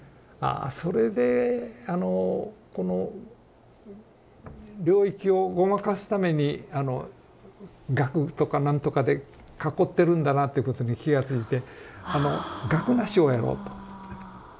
それでこの領域をごまかすために額とかなんとかで囲ってるんだなっていうことに気が付いて額なしをやろうと。